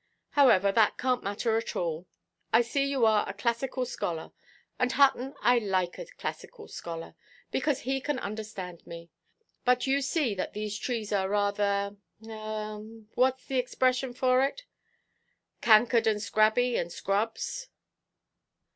"However, that canʼt matter at all; I see you are a classical scholar. And, Hutton, I like a classical scholar, because he can understand me. But you see that these trees are rather—ah, what is the expression for it——?" "Cankered, and scabby, and scrubs."